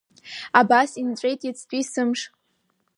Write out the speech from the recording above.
Абас инҵәеит иацтәи сымш.